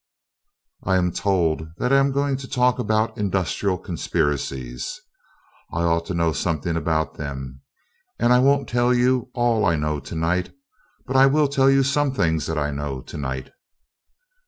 I am told that I am going to talk about "Industrial Conspiracies." I ought to know something about them. And I won't tell you all I know tonight, but I will tell you some things that I know tonight.